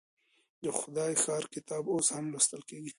د خدای ښار کتاب اوس هم لوستل کيږي.